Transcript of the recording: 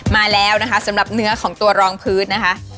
มาแล้วนะคะสำหรับเนื้อของตัวรองพื้นนะคะ